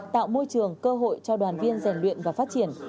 tạo môi trường cơ hội cho đoàn viên rèn luyện và phát triển